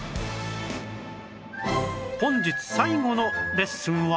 本日最後のレッスンは